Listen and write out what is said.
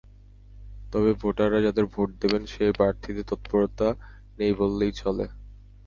তবে ভোটাররা যাঁদের ভোট দেবেন, সেই প্রার্থীদের তত্পরতা নেই বললেই চলে।